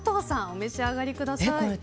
お召し上がりください。